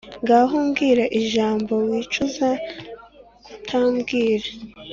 ngaho mbwira ijambo wicuza kutambwira